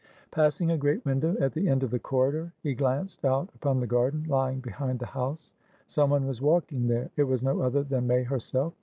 Passing a great window at the end of the corridor, he glanced out upon the garden lying behind the house. Some one was walking thereit was no other than May herself.